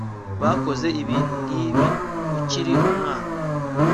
Bakoze ibintu nkibi ukiri umwana